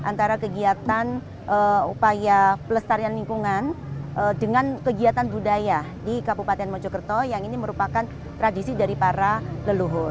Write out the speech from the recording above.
antara kegiatan upaya pelestarian lingkungan dengan kegiatan budaya di kabupaten mojokerto yang ini merupakan tradisi dari para leluhur